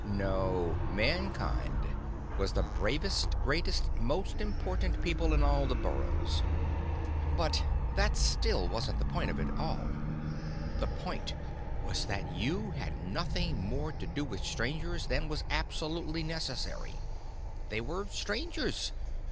No, Mankind was the bravest, greatest, most important people in all the burrows. But that still wasn't the point of it all. The point was that you had nothing more to do with Strangers than was absolutely necessary. They were Strangers.